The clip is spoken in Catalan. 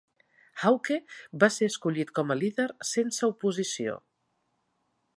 Hawke va ser escollit com a líder sense oposició.